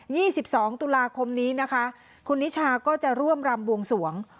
ี่สิบสองตุลาคมนี้นะคะคุณนิชาก็จะร่วมรำบวงสวง